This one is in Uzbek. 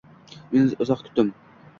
Men uzoq kutdim.